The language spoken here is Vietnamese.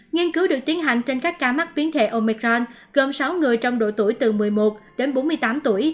nghiên cứu được tiến hành trên các ca mắc biến thể omicron gồm sáu người trong độ tuổi từ một mươi một đến bốn mươi tám tuổi